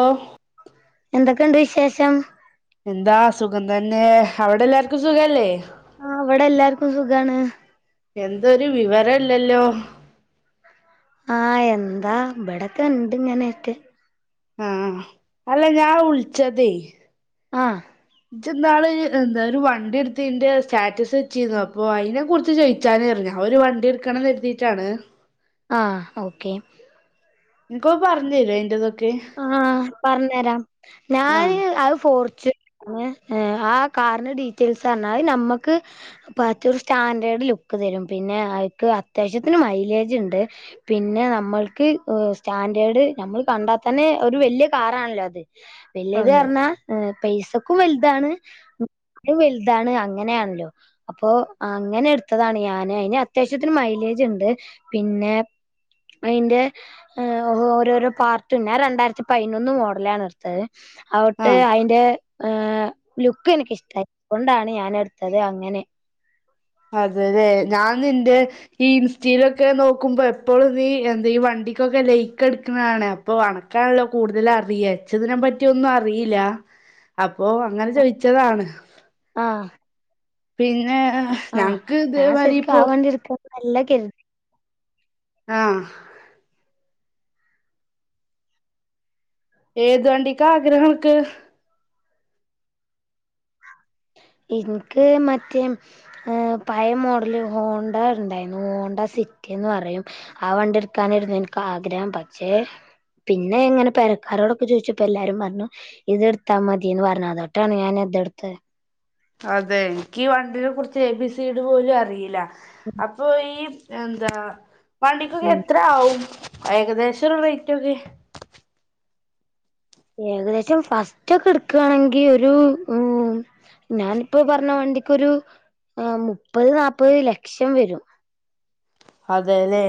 ഓഹ് എന്തൊക്കെണ്ട് വിശേഷം? എന്താ സുഖം തന്നെ, അവടെ എല്ലാർക്കും സുഖല്ലേ ആ ഇവിടെ എല്ലാർക്കും സുഗാണ് എന്ത് ഒര് വിവരം ഇല്ലാലോ ആഹ് എന്താ, ഇബടെക്കെ ഇണ്ട് ഇങ്ങനെ ആയിട്ട് ആഹ് അല്ല ഞാൻ വുള്ചതയെ ആഹ് ഇജ് ഇന്നാൾ എന്താ ഒര് വണ്ടി ഇട്തീർന്നന്റെ സ്റ്റാറ്റസ് വെച്ചിര്ന്നു അപ്പൊ അയ്നെ കുറച് ചോയ്ക്കനെ ചാനെർന്നു ഞാൻ ഒര് വണ്ടി ഇടക്കണമ് കര്തീട്ട് ആണ് ആഹ് ഓക്കെ ന്ക്കൊ പറഞ്ഞ്, [unintelligible] ആഹ് പറഞ്ഞേര, ഞാൻ ആഹ് അത് പോർച്ച് എഹ്, ആ കാർന്റെ ഡീറ്റെയിൽസ് അത് നമ്മക്ക് പത്, ഒര് സ്റ്റാൻഡേർഡ് ലുക്ക്‌ തരും പിന്നെ അയ്ക്ക് അത്യാവശ്യതിന് മൈലേജ് ഇണ്ട്. പിന്നെ നമ്മള്ക്ക് സ്റ്റാൻഡേർഡ് നമ്മള് കണ്ട തന്നെ ഒര് വെല്യ കാർ ആണല്ലോ അത് വെല്യത അതെ പറഞ്ഞ പൈസക്കും വൽതാണ് ലുക്ക്‌ലും വെൽതാണ് അങ്ങനെ ആണല്ലോ അപ്പൊ അങ്ങനെ ഇടത്തതാന് ഞാന്, അയ്‌ന് അത്യാവശ്യത്തിനു മൈലേജ്ണ്ട്, പിന്നെ അയിന്റെ എഹ് ഓരോരോ പാർട്ട്‌ പിന്നെ ഞാൻ രണ്ടായിരത്തി പതിനൊന്നു മോഡൽ ആണ് ഇട്തത് ആഹ് എഹ് ലുക്ക്‌ എനക് ഇഷ്ട്ടായി അതോണ്ടാണ് ഞാൻ എട്ത്തത് അതെലെ ഞാൻ നിന്റെ ഈ ഇൻസ്റ്റീലൊക്കെ നോകുമ്പേ എപ്പോളും നീ എന്താ ഈ വണ്ടിക്കൊക്കെ ലൈക്‌ അടിക്കണേ കാണാം അപ്പൊ അനക് ആണല്ലോ കൂടുതൽ അറിയാ ഇച്ച് ഇതിനെപറ്റി ഒന്നും അറീല അപ്പൊ അങ്ങനെ ചോയ്ച്താണ് ആന്ന പിന്നെ ആ ഞങ്ങക്ക് ഞാൻ ഇതേമാരി സെരിക്കും ഇപ്പോ ആ വണ്ടി ഇടക്കണമ് അല്ല കര്തിയത് ആഹ് ഏത് വണ്ടിക്ക ആഗ്രഹം അന്ക്ക് ഇന്ക്ക് മറ്റേ പയേ മോഡൽ ഹോണ്ട ഇണ്ടായിന്നു, ഹോണ്ട സിറ്റിന്ന് പറയും ആ വണ്ടി ഇട്ക്കണർന്നു എൻക്ക് ആഗ്രഹം പക്ഷെ പിന്നെ ഇങ്ങനെ പേരക്കാരോടൊക്കെ ചോയ്ച്ചപ്പോ എല്ലരും പറഞ്ഞു ഇത് ഇട്ത്തമതിന്ന് പറഞ്ഞു അതോട്ട ഞാന് ഇത് ഇട്ത്തെ അതെ ഇന്ക്കി ഈ വണ്ടിനെ കുറച് എബിസിഡി പോലും അറീല, അപ്പൊ ഈ എന്താ വണ്ടിക്കൊക്കെ ഉം എത്രവും ഏകദേശം ഒര് റേറ്റ് ഒക്കെ ഏകദേശം ഫസ്റ്റ് ഒക്കെ ഇട്കാണെങ്കി ഒര് ഞാനിപ്പോ പറഞ്ഞ വണ്ടിക്കൊരു മുപ്പത്, നൽപ്പത് ലക്ഷം വരും അതെലെ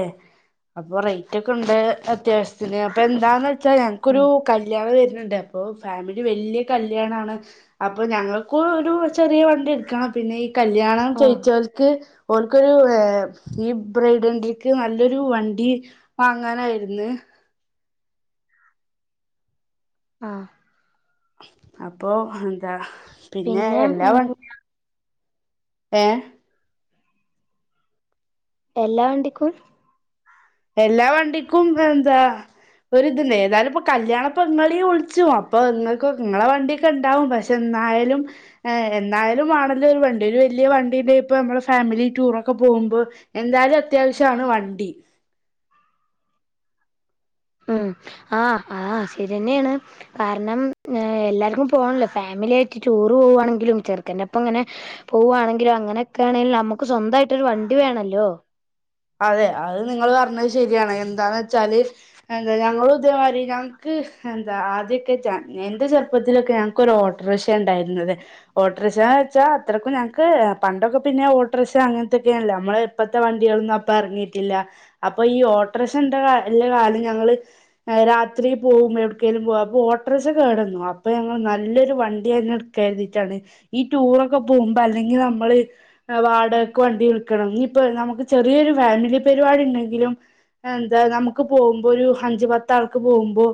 അപ്പൊ റേറ്റ് ഒക്കേണ്ട് അത്യാവശ്യ ചെലെപ്പം എന്താന്ന് വച്ച ഞങ്ങക്ക് ഒരു ഉം കല്യാണം വര്ന്ണ്ട് അപ്പൊ ഫാമിലിയില് വല്ല്യ കല്യാണാണ് അപ്പൊ ഞങ്ങക്കും ഒരു ചെറിയ വണ്ടി എടുക്കണം പിന്നെ ഈ കല്യാണം ആഹ് ചോയ്ച്ചോൽക്ക് ഓല്കൊരു ഏഹ് ഈ ബ്രയ്ഡ് വണ്ടിക്ക് നല്ലൊരു വണ്ടി വാങ്ങാനാ വരുന്നെ ആഹ് അപ്പൊ എന്താ പിന്നെ എല്ലാ വ ഏഹ്? എല്ലാ വണ്ടിക്കും എല്ലാ വണ്ടിക്കും എന്താ ഒരിത്ണ്ട് ഏതായാലും ഇപ്പോ കല്യാണപ്പൊ ഇങ്ങളെയും വിളിച്ചു അപ്പൊ ഇങ്ങക്ക് ഇങ്ങളെ വണ്ടിയക്കെ ഇണ്ടാവും പക്ഷെ ഇന്നായാലും എന്നയാലും വാണല്ലോ ഒരു വണ്ടി ഒരു വലിയ വണ്ടി ഇണ്ടെകി ഇപ്പൊ നമ്മള് ഫാമിലി ടൂറൊക്കെ പോകുമ്പോ എന്തായാലും അത്യാവിശ്യാണ് വണ്ടി ഉം ആഹ് ആഹ് ശരിയന്നെയാണ് കാരണം ഏഹ് എല്ലാർക്കും പോകണല്ലോ ഫാമിലി ആയിട്ട് ടൂറ് പോവാണെങ്കിലും ചെറുക്കന്റെ ഒപ്പം ഇങ്ങനെ പോവാണെങ്കിലോ അങ്ങനെക്കെ ആണേലും നമുക്ക് സ്വന്തായിട്ടൊരു വണ്ടി വേണല്ലോ? അതെ അത് നിങ്ങള് പറഞ്ഞത് ശരിയാണ് എന്താന്ന് വെച്ചാല് എന്താ ഞങ്ങളും ഇതേമാതിരി ഞങ്ങക്ക് എന്താ ആദ്യൊക്കെ ഞൻ എന്റെ ചെറുപ്പത്തിലൊക്കെ ഞ ങ്ങക്കൊരു ഓട്രഷയാ ഇണ്ടായിരുന്നത് ഓട്ടറിഷ എന്ന് വെച്ചാ അത്രയ്ക്കും ഞങ്ങക്ക് പണ്ടൊക്കെ പിന്നെ ഓട്ട്റിക്ഷ അങ്ങനത്തക്കെ ആണല്ലോ നമ്മള് ഇപ്പത്തെ വണ്ടികളൊന്നും അപ്പ എറങ്ങിയിട്ടില്ല അപ്പൊ ഈ ഓട്ടറക്ഷന്റെ ഇള്ളെ കാലം ഞങ്ങള് രാത്രി പോകും എവിട്ക്കേലും പോകും അപ്പൊ ഓട്ടോറക്ഷ കേട് വന്നു അപ്പൊ ഞങ്ങള് നല്ലൊരു വണ്ടിയന്നെ എടു കരുതിയിട്ടാണ് ഈ ടൂറൊക്കെ പോകുമ്പോ അല്ലെങ്കി നമ്മള് വാടകക്ക് വണ്ടി വിളിക്കണം ഇഞ്ഞ്പ്പൊ നമുക്ക് ചെറിയൊരു ഫാമിലി പരിപാടി ഇണ്ടെങ്കിലും എന്താ നമുക്ക് പോവുമ്പോ ഒരു അഞ്ചു പത്താൾക്ക് പോവുമ്പോ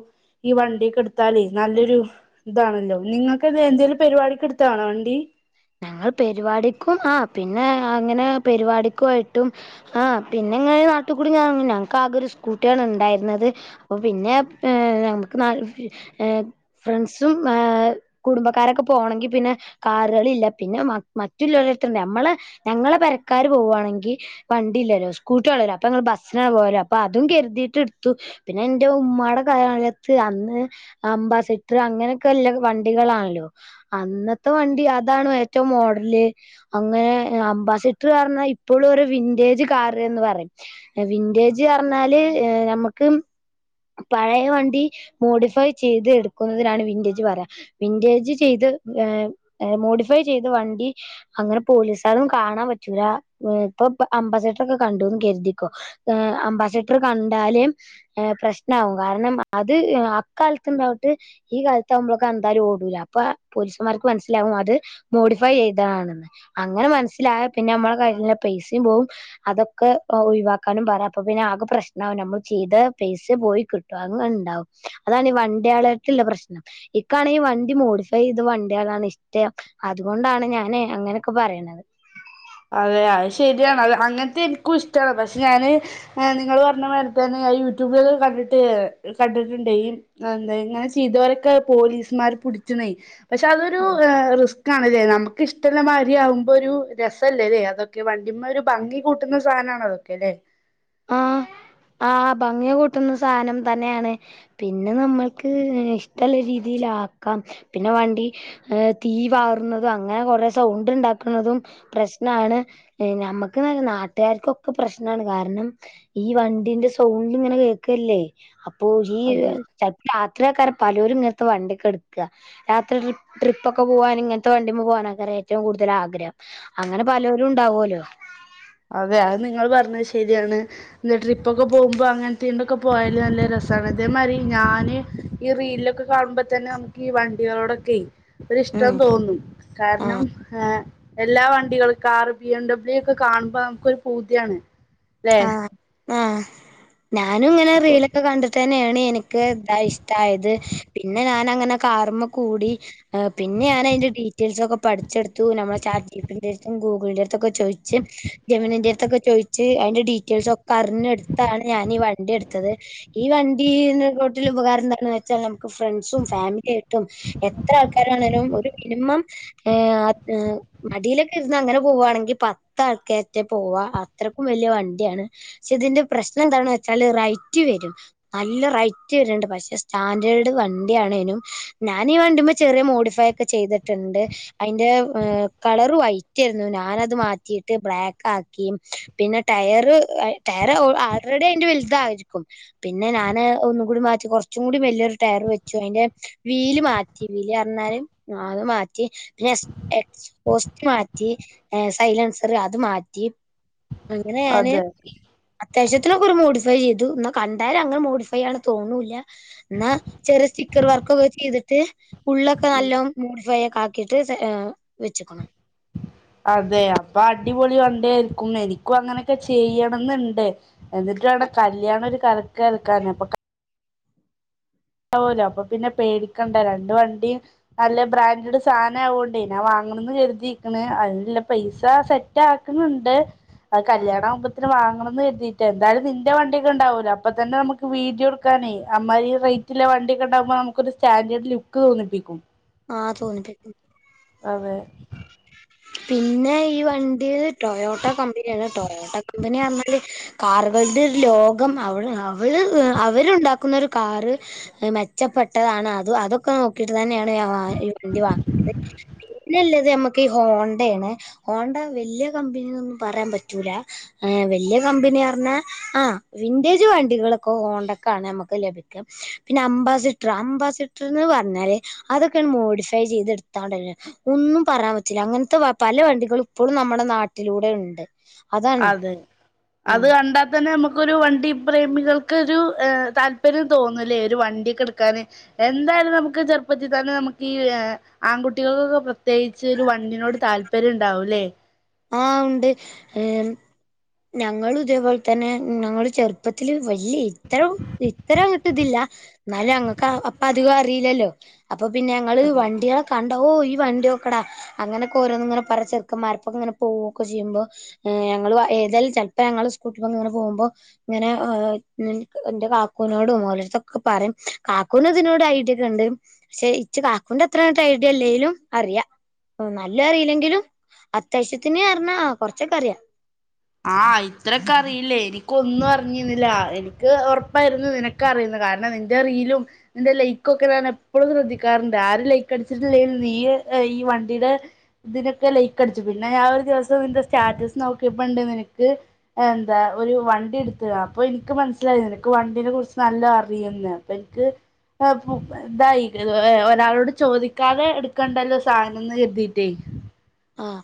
ഈ വണ്ടിയൊക്കെ എടുത്താലേ നല്ലൊരു ഇതാണല്ലോ നിങ്ങൾക്കിത് എന്തേലും പരിപാടിക്ക് എടുത്താണോ വണ്ടി? ഞങ്ങള് പരിപാടിക്കും ആഹ് പിന്നെ അങ്ങനെ പരിപാടിക്കുവായിട്ടും ആഹ് പിന്നെങ്ങനെ ഈ നാട്ടി കൂടി ഞാൻ ഞങ്ങക്ക് ആകെ ഒരു സ്കൂട്ടിയാണ് ഇണ്ടായിര്ന്നത് അപ്പൊ പിന്നെ ഏഹ് നമുക്ക് നാല് ഏഹ് ഫ്രണ്ട്സും ഏഹേ കുടുംബക്കാരൊക്കെ പോണെങ്കി പിന്നെ കാ റുകളില്ല പിന്നെ മറ്റുള്ളവരെ എട്ത്ത്ണ്ട് നമ്മള് ഞങ്ങളെ പെരക്കാര് പോവാണെങ്കിൽ വണ്ടിയില്ലല്ലോ സ്കൂട്ടി ഒള്ളല്ലോ അപ്പ ഞങ്ങള് ബസ്സിനാണ് പോവല് അപ്പൊ അതും കരുതിയിട്ട് ഇടുത്തു പിന്നെ ഇന്റെ ഉമ്മാടെ കാലത്ത് അന്ന് അംബാസിണ്ടർ അങ്ങനെക്കെ ഇല്ലെ വണ്ടികളാണല്ലോ അന്നത്തെ വണ്ടി അതാണ് ഏറ്റവും മോഡല് അങ്ങനെ അംബാസിഡർ പർഞ്ഞ ഇപ്പോളും ഒരു വിന്റേജ് കാറ് എന്ന് പറയും വിന്റേജ് പറഞ്ഞാല് നമ്മക്ക് പഴയ വണ്ടി മോഡിഫൈ ചെയ്ത് എടുക്കുന്നതിനാണ് വിന്റേജ് പറയ വിന്റേജ് ചെയ്ത് ഏഹ് മോഡിഫൈ ചെയ്ത വണ്ടി അങ്ങനെ പോലീസാരൊന്നും കാണാൻ പറ്റൂലാ ഇപ്പൊ അംബാസിഡർ ഒക്കെ കണ്ട്ന്ന് കരുതിക്കോ ഏഹ് അംബാസിഡർ കണ്ടാല് പ്രശ്നാ നാവും കാരണം അത് അക്കാലത്ത് ഇണ്ടാവിട്ട് ഈ കാലത്താവുമ്പോ കണ്ടാല് ഓടൂല അപ്പൊ പോലീസുമാർക്ക് മനസ്സിലാകും അത് മോഡിഫൈ ചെയ്തതാണെന്ന് അങ്ങനെ മനസ്സിലായ പിന്നെ നമ്മളെ കയ്യിലെ പൈസിം പോവും അതൊക്കെ ഒഴിവാക്കാനും പറ അപ്പൊ പിന്നെ ആകെ പ്രശ്നാവും നമ്മൾ ചെയ്ത പൈ പക്ഷെ പോയി കിട്ടും അങ്ങനെ ഉണ്ടാവും അതാണ് ഈ വനിയാളായിട്ടുള്ള പ്രശ്നം ഇക്കാണെങ്കിൽ വണ്ടി മോഡിഫൈയ്ത വണ്ടി യളാണ് ഇഷ്ടം അതുകൊണ്ടാണ് ഞാനേ അങ്ങനൊക്കെ പറയണത് അതെ അത് ശരിയാണ് അ അങ്ങനത്തെ എനിക്കുംഷ്ടാണ് പക്ഷെ ഞാന് ആഹ് നിങ്ങള് പറഞ്ഞ മാരിത്തന്നെ ഞാൻ യൂട്യൂബില് കണ്ടിട്ട് കണ്ടിട്ടുണ്ട് ഇങ്ങനെ ചെയ്തവരൊക്കെ പോലീസ്മാര് പിടിച്ചുണ് പക്ഷെ അതൊരു റിസ്ക് ആണല്ലേ നമുക്ക് ഇഷ്ടമുള്ള മാരിയാവുമ്പോ ഒരു രസാ അതല്ല അല്ലേ അതൊക്കെ വണ്ടിമ്മ ഒരു ഭംഗി കൂട്ടുന്ന സാനണതൊക്കെ അല്ലെ ആഹ് ആഹ് ഭംഗി കൂട്ടുന്ന സാനം തന്നെയാണ്. പിന്നെ ന്നമ്മൾക്ക് ഇഷ്ട്ടള്ള രീതിയിലാക്കാം പിന്നെ വണ്ടി ഏഹ് തീ പാർണതും അങ്ങനെ കൊറെ സൗണ്ട് ഇണ്ടാക്ക്ണതും പ്രശ്നാണ്. ഏഹ് ഞമ്മക്ക്ന്നല്ല ന്നാട്ട്കാർക്കൊക്കെ പ്രശ്നാണ് കാര്ണം ഈ വണ്ടിന്റെ സൗണ്ട് ഇങ്ങനെ കേക്കല്ലേ അപ്പൊ അത് ഈച രാത്രി ആക്കാരം പലോരും ഇങ്ങൻത്തെ വണ്ടിയൊക്കെ ഇട്ക്ക. രാത്രി ട്രിപ്പ് ഡ്രിപ്പ്ക്കെപോവാൻ ഇങ്ങൻത്തെ വണ്ടിമ്മെ പോകാനൊക്കരം ഏറ്റവും കൂടുതൽ ആഗ്രഹം. അങ്ങനെ പാലോരും ഇണ്ടാവോലോ? അതെ അത് ന്നിങ്ങൾ പറഞ്ഞത് ശെരിയാണ്. ലെ ട്രിപ്പൊക്കെ പോകുമ്പോ അങ്ങനത്തീണ്ടൊക്കെ പോയാല് നല്ലെ രെസാണ് ഇതേമാരി ഞാന് ഈ റീലിലൊക്കെ കാണുമ്പോതന്നെ ന്നമുക്കീ വണ്ടികളോടൊക്കെയ് ഉം ഒരിഷ്ട്ടം തോന്നും കാര്ണം ആഹ് ഏഹ് എല്ലാ വണ്ടികൾ കാറ് ബി എം ഡബ്ല്യു ഒക്കെ കാണുമ്പോ ന്നമുക്കൊരു പൂതിയാണ് ലെ? ആഹ് ആഹ് ഞാനും ഇങ്ങനെ അപ്പൊ റീലൊക്കെ കണ്ട് തെന്നെണ് എനിക്ക് ഇതാ ഇഷ്ട്ടായത് പിന്നെ ഞാൻ അങ്ങനെ കാർമ്മെകൂടി ഏഹ് പിന്നെ ഞാൻ അയ്ന്റെ ഡീറ്റെയിൽസൊക്കെ പഠിച്ചെടുത്തു നമ്മളെ ചാറ്റ്പ്പിന്റെ എട്തും ഗൂഗിളിന്റെ എട് തൊക്കെ ചോയ്ച്ച് ജെമിനിന്റെ എട്ത്തൊക്കെ ചോയ്ച്ച് അയിന്റെ ഡീറ്റെയിൽസൊക്കെ അറിഞ്ഞെടുത്താണ് ഞാൻ ഈ വണ്ടി എട്ത്തത്. ഈ വണ്ടീ ഇതിനെ തോട്ടിൽ ഉപകാരം എന്താണെന്ന് വെച്ചാൽ നമുക്ക് ഫ്രണ്ട്സും ഫാമിലിയായിട്ടും എത്രേ ആൾക്കാരാണെലും ഒരു മിനിമം ഏഹ് ആഹ് മടീലൊക്കെ ഇര്ന്ന് അങ്ങനെ പോവാണെങ്കി പത്ത് ആള്ക്കേറ്റെ പോവ അത്രയ്ക്കും വല്ല്യാ വണ് ണ്ടിയാണ് പക്ഷേ ഇതിന്റെ പ്രശ്നം എന്താണ് വെച്ചാല് റൈറ്റ് വെരും. നല്ലെ റൈറ്റ് വെര്ണ്ഇണ്ട് പക്ഷെ സ്റ്റാൻഡേർഡ് വണ്ടിയാണേനും ഞാനീ ഈ വണ്ടിമ്മേ ചെറിയെമോഡിഫൈ ഒക്കെ ചെയ്തിട്ടുണ്ട്. അയ്ന്റെ ഏ കളെർ വൈറ്റെര്ന്നു ഞാനത് മാറ്റിയിട്ട് ബ്ലാക്കാക്കി പിന്നെ ട്ടയെർ ഒര് ആ ടയർ ആൾറെഡി അയ്ന്റെ വെലുതായിരിക്കും പിന്നെ ഞാന് ഒന്നുകൂടിമാറ്റി കൊർച്ചും കൂടി വെല്ലിയൊരു ടയെർ വെച്ചു അയിന്റെ വീല് മാറ്റി വീല് അർഞ്ഞാല് അത് മാറ്റി പിന്നെ എസ് എക്സ് പോസ്റ്റ് മാറ്റി ഏ സൈലെൻസെർ അത് മാറ്റി അങ്ങനെ ഞാന് [inaudible] അത്യാവശ്യത്തിനൊക്കെ ഒരു മോഡിഫൈ ചെയ്തു ഇന്നാ കണ്ടാലങ്ങനെ മോഡിഫൈയാണ് തോന്നുല്ല. ഇന്നാ ചെറിയെ സ്റ്റിക്കർ വർക്കൊക്കെ ചെയ്തിട്ട് ഉള്ളൊക്കെ ഉം. നല്ലോം മൂഡിഫൈ ഒക്കെ ആക്കിട്ട് ഏഹ് വെച്ച്ക്ക്ണ്. അതെ അപ്പൊ അടിപൊളി വണ്ടി ആരിക്കും എനിക്കും അങ്ങനെയൊക്കെ ചെയ്യണംന്നുണ്ട്. എന്നിട്ട് വാണം കല്യാണം ഒര് കലക്ക് കൽക്കാന് അപ്പൊക ണ്ടാവോലോ അപ്പൊ പിന്നെ പേടിക്കണ്ട രണ്ട് വണ്ടി ന്നല്ലെ ബ്രാൻഡെഡ് സാനാവോണ്ടേ ഞാൻ വാങ്ങണംന്ന് കരുതിരിക്ക്ണ് അയ്നില്ല പൈസ സെറ്റ് റ്റാക്ക്ണ് ണ്ട് അ കല്ല്യാണം ആവുമ്പത്തിന്ന് വാങ്ങണംന്ന് കെര്തി. തി എന്തായാലും നിന്റെ വണ്ടിയൊക്കെ ഇണ്ടാവോലോ അപ്പൊ തന്നെ ന്നമുക്ക് വീഡിയോ എടുക്കാനേ അമ്മാരി റെയ് റ്റ്ല്ലെ വണ്ടി ഒക്കെണ്ടാവുമ്പോ ന്നമുക്കൊരു സ്റ്റാൻഡേഡ് ലുക്ക് തോന്നിപ്പിക്കും. ആഹ് തോന്നിപ്പിക്കും അതെ പിന്നെ ഈ വണ്ടീ ടൊയോട്ടോ കമ്പനിയാണ് ടൊയോട്ടോ കമ്പനിഅർഞ്ഞാല് കാറുകളുടെ ലോകം അവള് അവള് അവരുണ്ടാക്കുന്നൊരു കാറ് ഹ് മെച്ചപ്പെട്ടതാണ് അത് അതൊക്കെ നോക്കിട്ട് തന്നെയാണ്ഈ ഞവണ്ടി വാങ്ങുന്നത്. പിന്നെല്ലെത് ഞമ്മക്കീ ഹോണ്ടെണ് ഹോണ്ട വെല്ല്യ കമ്പനിനൊന്നും പറയാൻ പറ്റൂല. ഏ വെല്ല്യ കമ്പനിപർഞ്ഞാ ആ വിന്റേജ് വണ്ടികളൊക്കെ ഹോണ്ടക്കാണ് അമ്മക്ക് ലഭിക്ക ക പിന്നെ അംബാസിറ്ററാ അംബാസിറ്റെർന്ന് പർഞ്ഞല് അതൊക്കെണ് മോഡിഫൈ ചെയ്യ്ത് എടുത്താണ്ടല്ലോ ഒന്നും പറയാൻ പറ ട്ടില അങ്ങനത്തെ പല വണ്ടികള ഇപ്പോഴും നമ്മുടെ നാട്ടിലൂടെ ഉണ്ട് അതാണ് അതെ ആ അത് കണ്ട തന്നെ നമുക്കൊരു വണ്ടി പ്രേമികൾക്കരു താല്പര്യം തോന്നുന്നില്ലേ ഒരു വണ്ടിെടുക്കാൻ എന്തായാലും നമുക്ക് ചെറുപ്പത്തിൽ തന്നെ നമുക്ക് ഈ ഏ ആൺകുട്ടികൾക്കൊക്കെ പ്രത്യേകിച്ച് ഒരു വണ്ടിനോട് താല്പര്യം ഇണ്ടാവൂല്ലേ ആഹ് ഉണ്ട് ഞങ്ങലും ഇതേപോലെ തന്നെ ഞങ്ങൾ ചെറുപ്പ ഇപ്പത്തില് വല്യ ഇത്രം ഇത്ര ത് ഇല്ല എന്നാലും ഞക്ക് അപ്പ അധികം അറിയില്ലല്ലോ അപ്പൊ പിന്നെ ഞങ്ങള് അതെ വണ്ടികള കണ്ട ഓ ഈ വണ്ടിയോക്കെടാ അങ്ങനൊക്കെ ഓരോന്ന ഇങ്ങനെ പറ ചെറുക്ക മരപ്പൊക്കെ ഇങ്ങനെ പോകുവൊക്കെ ചെയ്യുമ്പോ ഞങ്ങൾ ഏതായാലും ചിലപ്പോ ഞങ്ങങ്ങള് സ്കൂട്ടിൽ ഇങ്ങനെ പോകുമ്പോ ഇങ്ങനെ ഇന്റെ കാക്കൂനോട് ഓലടത്തൊക്കെ പറയും കാക്കൂന് ഇതിനോട് ഐട്യക്കെ ഉണ്ട് പക്ഷെ ഇച്ച കാക്കണ്ട് എത്രട്ട് ഐഡിയ എല്ലെലും അറിയാ ഓ നല്ല അറിയില്ലെങ്കിലും അത്യാവശ്യത്തിന അറിഞ്ഞാ കൊറച്ചൊക്കെ അറിയാ ആഹ് ഇത്രൊക്കെ അറിയില്ലേ എനിക് ഒന്നും അറിഞ്ഞിന്നില്ല എനിക്ക് ഉറപ്പായിരുന്നു നിനക് ക്കെ അറിയു കാരണം നിന്റെ റിലും എന്റെ ലൈക്കൊക്കെ ഞാൻ എപ്പോഴും ശ്രദ്ധിക്കാറുണ്ട് ആര് ലൈക്ക് അടിച്ചിട്ടിലേലും നീ ഈ വണ്ടിയുടെ ഇതിനൊക്കെ ലൈക്ക് അടിച്ചു പിന്നെ ഞാൻ ഒരു ദിവസം ഇന്റെ സ്റ്റാറ്റസ് നോക്കിയപ്പോണ്ട് നിനക്ക് എന്താ ഒരു വണ്ടി എടുത്ത അപ്പൊ എനിക്ക് മനസ്സിലായി എനക്ക് വണ്ടീെ കുറിച്ച് നല്ല അറിയുന്ന് പ്പനിക്ക് ആ ഇതായി ഒരാളോട് ചോദിക്കാതെ എടുക്കണ്ടല്ലോ സാധനംന്ന് കരുതിട്ടേ ആഹ്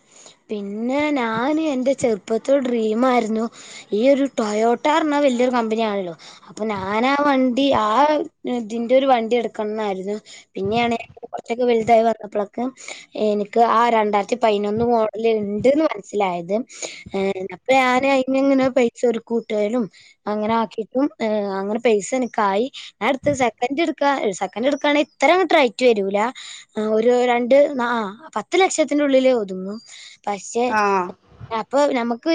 പിന്നെ ഞാന് എന്റെ ചെറുപ്പത്തോട ഡ്രീം ആരുന്നു ഈ ഒരു ടൊയോട്ടോർന്ന് പറഞ്ഞാൽ വല്യൊരു കമ്പനിയ ആണല്ലോ അപ്പൊ ഞാനാ വണ്ടി ആ ഇതിന്റെ ഒരു വണ്ടി എടുക്കണംന്നായിരുന്നു പിന്നെയണ കുറച്ചൊക്കെ വലുതായി വന്നപ്പോഴൊക്കെ എനിക്ക് ആ രണ്ടായി ത്തിപതിനൊന്ന് മോഡൽഉണ്ട്ന്ന് മനസ്സിലായത് ഏഹ് അപ്പൊ ഞാൻ അയിന് ഇങ്ങനെ പൈസ ഒരു കൂട്ടയിനു അങ്ങനെ ആക്കിട്ടും അങ്ങനെ പൈസ എനക്കായി ഞാ എടുത്തത് സെക്കൻഡ് എടുക്കാ സെക്കൻഡ് എടുക്കാണെങ്ക ഇത്രങ്ങട്ടട്രയറ്റ് വരൂല ആ ഒരു രണ്ട് പത്ത് ലക്ഷത്തിന്റെള്ളില് ഒതുങ്ങും പക്ഷെ ആഹ് അപ്പൊ നമുക്ക്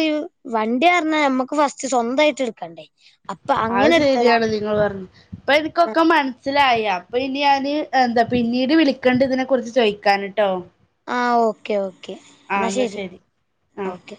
വണ്ടി പറിഞ്ഞാ നമ്മുക്ക് പസ്റ്റ്സ്വന്തയിട്ട് എടുക്കണ്ടേ അപ്പൊ അത് അങ്ങനെ എടുത്തതാണ് ശരിയാണ് നിങ്ങൾ പറഞ്ഞത് ഇപ്പ, എനിക്കൊക്കെ മനസ്സിലായി. അപ്പൊ, ഇനി ഞാന് എന്താ, പിന്നീട് വിളിക്കണ്ട്. ഇതിനെ കുറിച്ച് ചോദിക്കാന് ട്ടോ? ആഹ്, ഓക്കെ, ഓക്കെ ആ എന്നാൽ എന്നാ ശരി ആ ഓക്കെ.